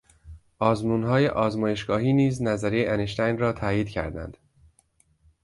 آزمونهای آزمایشگاهی نیز نظریهی انشتین را تایید کردند.